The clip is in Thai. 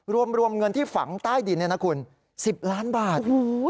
รวมเงินที่ฝังใต้ดินเนี่ยนะคุณ๑๐ล้านบาท